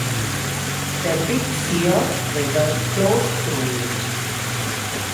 The Big Sioux River flows through it.